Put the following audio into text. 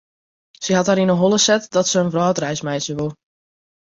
Sy hat har yn 'e holle set dat se in wrâldreis meitsje wol.